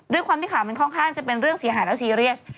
ด้วยความที่ข่าวมันค่อนข้างจะเป็นเรื่องเสียหายและซีเรียส